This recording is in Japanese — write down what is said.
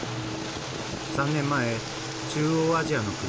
３年前中央アジアの国